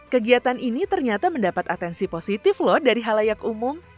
kegiatan ini ternyata mendapat atensi positif loh dari halayak umum